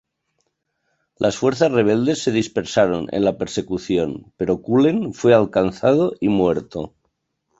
Las fuerzas rebeldes se dispersaron en la persecución, pero Cullen fue alcanzado y muerto.